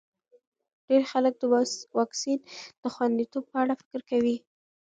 ډېر خلک د واکسین د خونديتوب په اړه فکر کوي.